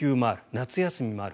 夏休みもある。